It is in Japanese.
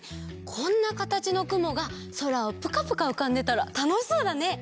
こんなかたちのくもがそらをぷかぷかうかんでたらたのしそうだね！